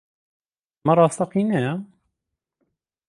ئەمە ڕاستەقینەیە؟